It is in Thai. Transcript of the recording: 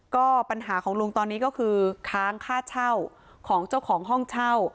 ก็ปัญหาของลุงตอนนี้ก็คือค้างค่าเช่า